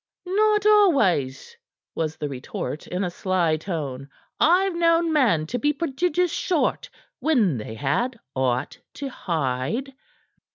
"Not always," was the retort in a sly tone. "I've known men to be prodigious short when they had aught to hide."